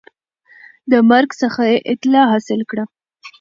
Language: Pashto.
د مرګ څخه یې اطلاع حاصل کړه